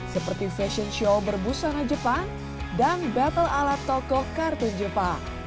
seperti fashion show berbushona jepang dan battle alat tokoh kartun jepang